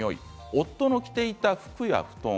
夫の着ていた服や布団